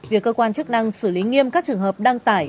việc cơ quan chức năng xử lý nghiêm các trường hợp đăng tải